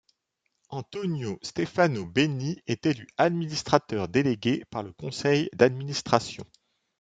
Antonio Stefano Benni est élu Administrateur Délégué par le conseil d'administration.